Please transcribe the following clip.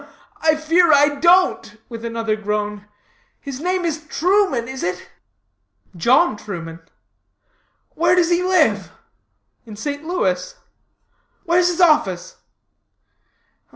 "Ugh, ugh! I fear I don't," with another groan. "His name is Truman, is it?" "John Truman." "Where does he live?" "In St. Louis." "Where's his office?"